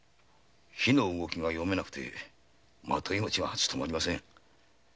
火の動きが読めなくて纏もちは務まりません。